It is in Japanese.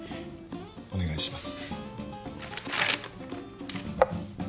お願いします